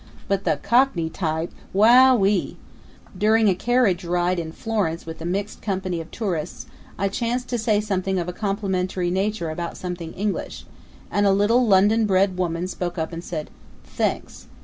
But the Cockney type Wowie! During a carriage ride in Florence with a mixed company of tourists I chanced to say something of a complimentary nature about something English, and a little London bred woman spoke up and said: "Thenks!